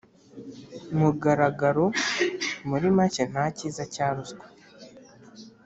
mugaragaro. Muri make nta kiza cya ruswa.